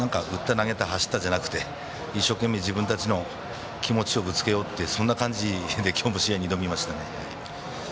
打って投げて走った、じゃなくて一生懸命自分たちの気持ちをぶつけようというそんな感じで今日の試合に挑みましたね。